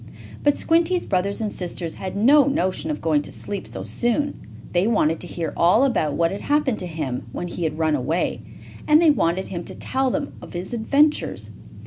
But Squinty's brothers and sisters had no notion of going to sleep so soon. They wanted to hear all about what had happened to him when he had run away, and they wanted him to tell them of his adventures.